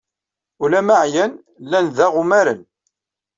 Ula ma ɛyan, llan daɣ umaren.